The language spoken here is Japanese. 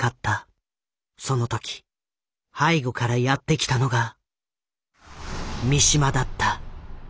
その時背後からやって来たのが三島だった。